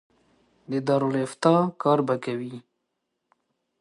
د دارالافتا کار به کوي.